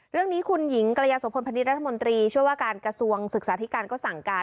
เรื่องนี้คุณหญิงกรยาโสพลพนิษฐรัฐมนตรีช่วยว่าการกระทรวงศึกษาธิการก็สั่งการ